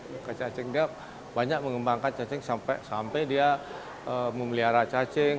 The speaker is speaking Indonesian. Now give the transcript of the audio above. mereka cacing dia banyak mengembangkan cacing sampai dia memelihara cacing